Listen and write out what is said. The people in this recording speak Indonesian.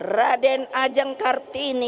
raden ajeng kartini